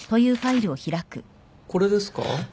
これですか？